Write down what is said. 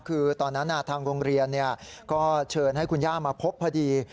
คือตอนนั้นทางโรงเรียนก็เชิญให้คุณย่ามาพบพอดี